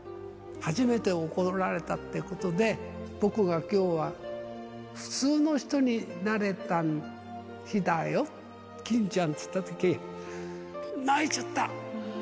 初めて怒られたってことで、僕がきょうは普通の人になれた日だよ、欽ちゃんって言ったとき、泣いちゃった。